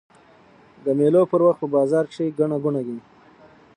د مېلو پر وخت په بازارو کښي ګڼه ګوڼه يي.